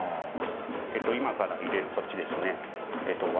今から入れるこっちですね割